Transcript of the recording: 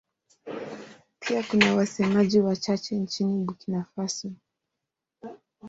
Pia kuna wasemaji wachache nchini Burkina Faso.